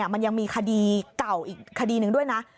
มันยังมีคดีเก่าอีกคดีหนึ่งด้วยนะ